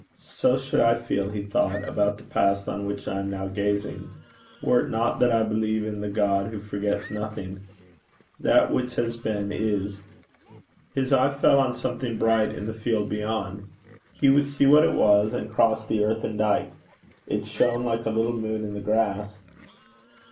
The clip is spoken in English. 'So should I feel,' he thought, 'about the past on which I am now gazing, were it not that I believe in the God who forgets nothing. That which has been, is.' His eye fell on something bright in the field beyond. He would see what it was, and crossed the earthen dyke. It shone like a little moon in the grass.